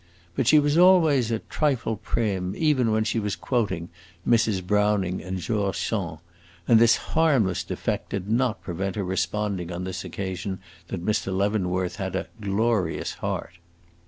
But she was always a trifle prim, even when she was quoting Mrs. Browning and George Sand, and this harmless defect did not prevent her responding on this occasion that Mr. Leavenworth had a "glorious heart."